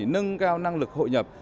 nâng cao năng lực hội nhập